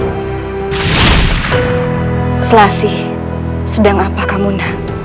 hati bunda selalu tidak tenang memikirkan dirimu